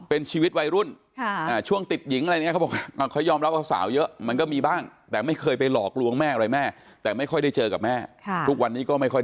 เป็นชีวิตวัยรุ่นค่ะอ่าช่วงติดหญิงอะไรอย่างเงี้ยเขาบอก